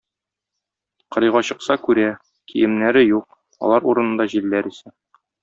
Кырыйга чыкса, күрә: киемнәре юк, алар урынында җилләр исә.